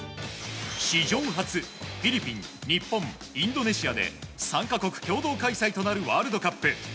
史上初、フィリピン、日本インドネシアで３か国共同開催となるワールドカップ。